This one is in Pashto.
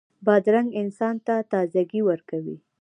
بادرنګ انسان ته تازهګۍ ورکوي.